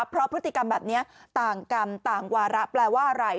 เพราะพฤติกรรมแบบนี้ต่างกรรมต่างวาระแปลว่าอะไร